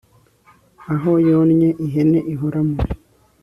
aho yonnye (ihene) ihoramo